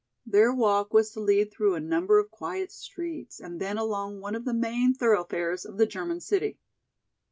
Their walk was to lead through a number of quiet streets and then along one of the main thoroughfares of the German city.